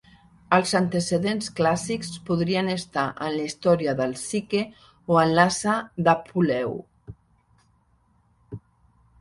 Els antecedents clàssics podrien estar en la història de Psique o en l'ase d'Apuleu.